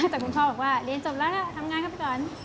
แต่คุณพ่อบอกว่าเรียนจบแล้วก็ทำงานเข้าไปก่อน